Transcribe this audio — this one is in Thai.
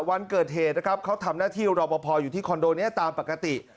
วันเกิดเหตุนะครับเขาทำหน้าที่รอปภอยู่ที่คอนโดนี้ตามปกติ